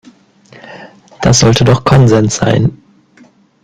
Das sollte doch Konsens sein.